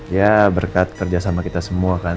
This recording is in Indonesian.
ya berkat kerjasama kita semua kan